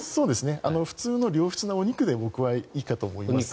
普通の良質なお肉で僕はいいかと思います。